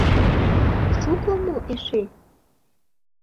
— Шуко мо эше?